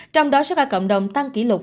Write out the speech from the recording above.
trong đó số ca cộng đồng tăng kỷ lục